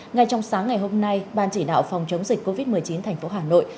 ngay trong sáng ngày hôm nay ban chỉ đạo phòng chống dịch covid một mươi chín thành phố hà nội